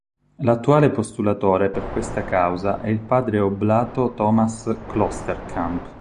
L'attuale postulatore per questa causa è il padre oblato Thomas Klosterkamp.